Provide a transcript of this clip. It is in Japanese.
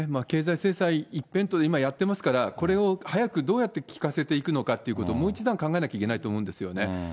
経済制裁一辺倒で今やってますから、これを早く、どうやってきかせていくのかっていうこと、もう一段考えないといけないと思うんですよね。